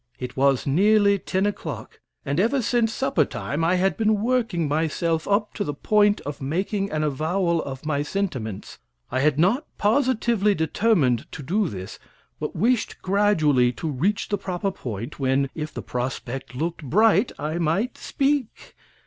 It was nearly ten o'clock, and ever since supper time I had been working myself up to the point of making an avowal of my sentiments. I had not positively determined to do this, but wished gradually to reach the proper point, when, if the prospect looked bright, I might speak.